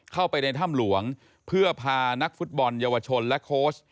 เข้าไปในถ้ำหลวงเพื่อพานักฟุตบอลเยาวชนและโค้ช